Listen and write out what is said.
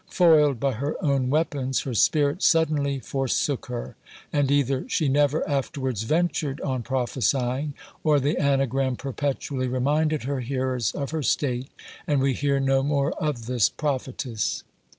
Foiled by her own weapons, her spirit suddenly forsook her; and either she never afterwards ventured on prophesying, or the anagram perpetually reminded her hearers of her state and we hear no more of this prophetess!